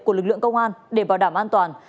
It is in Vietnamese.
của lực lượng công an để bảo đảm an toàn